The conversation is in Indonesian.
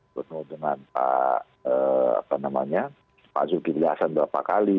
bertemu dengan pak apa namanya pak zulkifli hasan berapa kali